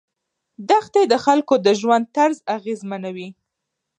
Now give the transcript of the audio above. دښتې د خلکو د ژوند طرز اغېزمنوي.